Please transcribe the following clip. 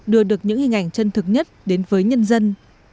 đưa được những hình ảnh chân thực nhất đến với nhân dân